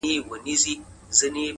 زما په څېره كي _ ښكلا خوره سي _